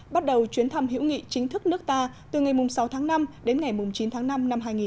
bắt đầu chuyến thăm hữu nghị chính thức nước ta từ ngày sáu tháng năm đến ngày chín tháng năm năm hai nghìn một mươi chín